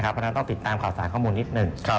เพราะฉะนั้นต้องติดตามข่าวสารข้อมูลนิดหนึ่ง